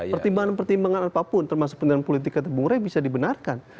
pertimbangan pertimbangan apapun termasuk penerimaan politik atau pengurang bisa dibenarkan